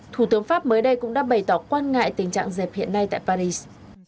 thủ tướng pháp mới đây cũng đã bày tỏ quan ngại tình trạng dẹp hiện nay tại paris